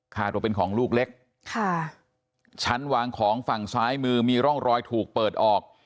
ค่าตัวเป็นของลูกเล็กค่ะชั้นวางของฝั่งซ้ายมือมีร่องรอยถูกเปิดออก